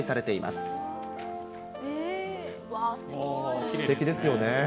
すてきですよね。